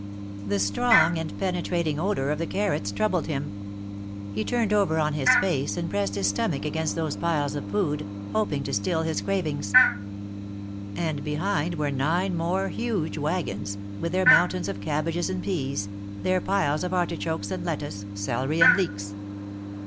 The strong and penetrating odor of the carrots troubled him. He turned over on his face, and pressed his stomach against these piles of food, hoping to still his cravings. And behind were nine more huge wagons, with their mountains of cabbages and peas, their piles of artichokes and lettuce, celery and leeks.